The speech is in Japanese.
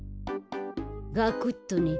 ガクッとね。